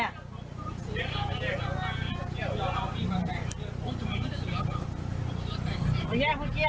เฮ้ย